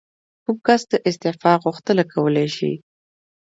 کوم کس د استعفا غوښتنه کولی شي؟